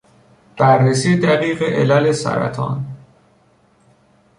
بررسی دقیق علل سرطان